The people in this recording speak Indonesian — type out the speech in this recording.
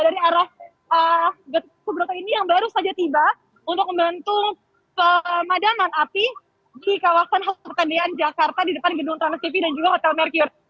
dari arah gatot subroto ini yang baru saja tiba untuk membantu pemadaman api di kawasan halte tendian jakarta di depan gedung trans tv dan juga hotel mercure